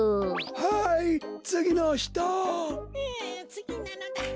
はいつぎのひと。